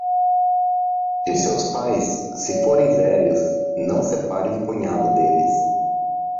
De seus pais, se forem velhos, não separe um punhado deles.